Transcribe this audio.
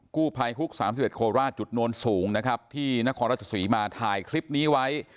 กู้ภัยฮุกสามสิบเอ็ดโคราชจุดนวลสูงนะครับที่นครราชสุริมาถ่ายคลิปนี้ไว้